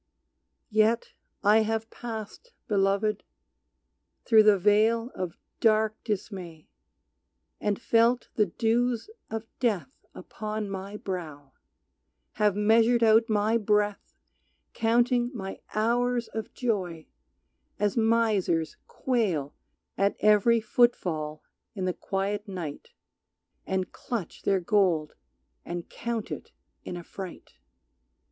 Yet have I passed, Beloved, through the vale Of dark dismay, and felt the dews of death Upon my brow, have measured out my breath Counting my hours of joy, as misers quail At every footfall in the quiet night And clutch their gold and count it in affright.